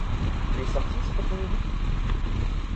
Tu es sorti cet après-midi ?